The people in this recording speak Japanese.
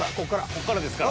こっからですから。